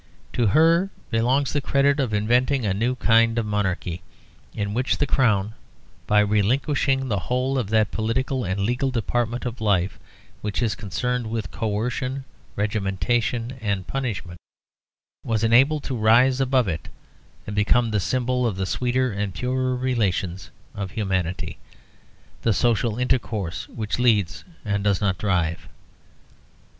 To her belongs the credit of inventing a new kind of monarchy; in which the Crown, by relinquishing the whole of that political and legal department of life which is concerned with coercion, regimentation, and punishment, was enabled to rise above it and become the symbol of the sweeter and purer relations of humanity, the social intercourse which leads and does not drive.